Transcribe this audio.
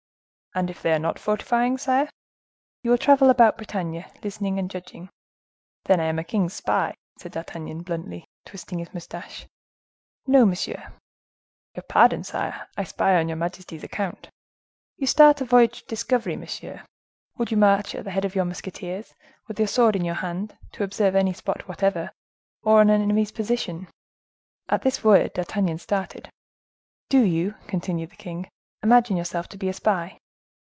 "And if they are not fortifying, sire?" "You will travel about Bretagne, listening and judging." "Then I am a king's spy?" said D'Artagnan, bluntly, twisting his mustache. "No, monsieur." "Your pardon sire; I spy on your majesty's account." "You start on a voyage of discovery, monsieur. Would you march at the head of your musketeers, with your sword in your hand, to observe any spot whatever, or an enemy's position?" At this word D'Artagnan started. "Do you," continued the king, "imagine yourself to be a spy?"